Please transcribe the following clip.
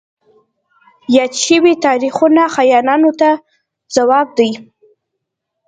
یاد شوي تاریخونه خاینینو ته ځواب دی.